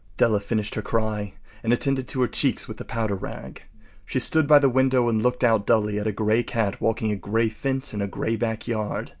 Della finished her cry and attended to her cheeks with the powder rag. She stood by the window and looked out dully at a gray cat walking a gray fence in a gray backyard.